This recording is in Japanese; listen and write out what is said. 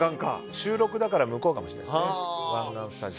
収録だから向こうかもしれませんね。